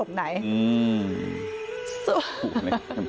อย่างยังไม่ทันเหาะสมไหน